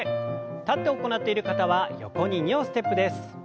立って行っている方は横に２歩ステップです。